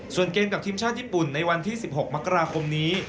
ส่วนเกมกับทีมชาติญี่ปุ่นในวันที่๑๖มกราคมนี้